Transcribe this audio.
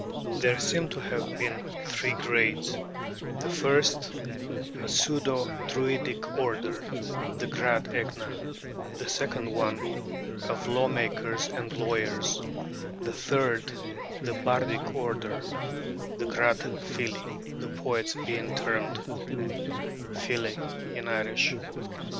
There seem to have been three grades: the first, a pseudo Druidic order, the Gradh Ecna; the second, one of law makers and lawyers; the third, the Bardic order, the Gradh Fili, the poets being termed File in Irish.